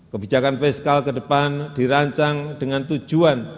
kebijakan fiskal ke depan dirancang dengan tujuan